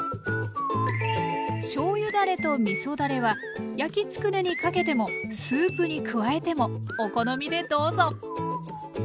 しょうゆだれとみそだれは焼きつくねにかけてもスープに加えてもお好みでどうぞ。